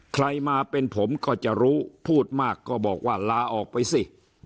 ใครมาเป็นผมก็จะรู้พูดมากก็บอกว่าลาออกไปสิ